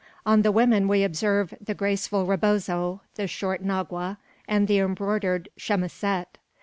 On the women we observe the graceful rebozo, the short nagua, and the embroidered chemisette.